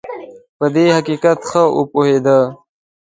په دې حقیقت ښه پوهېدی.